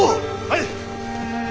はい！